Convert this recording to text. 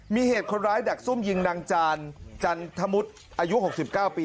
มีเหตุคนร้ายดักซุ่มยิงนางจานจันทมุทรอายุ๖๙ปี